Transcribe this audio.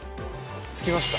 着きました。